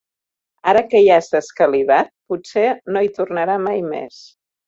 Ara que ja s'ha escalivat, potser no hi tornarà mai més.